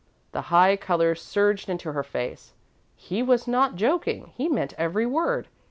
The high colour surged into her face. He was not joking he meant every word.